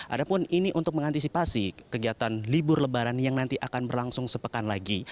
adapun ini untuk mengantisipasi kegiatan libur lebaran yang nanti akan berlangsung sepekan lagi